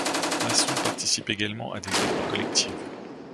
Masson participe également à des œuvres collectives.